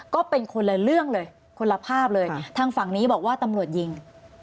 ก็เป็นคนละเรื่องเลยคนละภาพเลยทางฝั่งนี้บอกว่าตำรวจยิง